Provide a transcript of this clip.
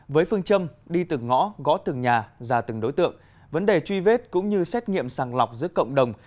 với phương châm đi từng ngõ gõ từng nhà ra từng đối tượng vấn đề truy vết cũng như xét nghiệm sàng lọc giữa cộng đồng